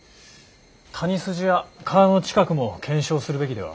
谷筋や川の近くも検証するべきでは？